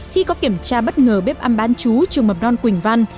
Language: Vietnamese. khi có kiểm tra bất ngờ bếp ăn bán chú trường mầm non quỳnh văn